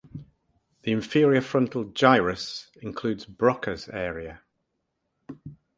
The inferior frontal gyrus includes Broca's area.